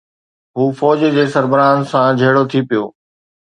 هو فوج جي سربراهن سان جهيڙو ٿي پيو.